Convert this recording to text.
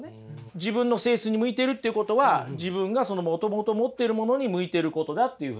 自分の性質に向いているっていうことは自分がもともと持ってるものに向いてることだっていうふうに。